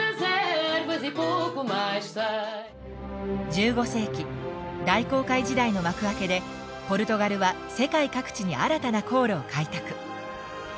１５世紀大航海時代の幕開けでポルトガルは世界各地に新たな航路を開拓。